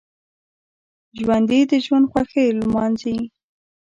ژوندي د ژوند خوښۍ ولمانځي